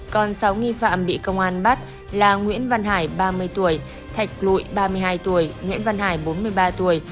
còn sáu nghi phạm bị công an bắt là nguyễn văn hải ba mươi tuổi thạch lụi ba mươi hai tuổi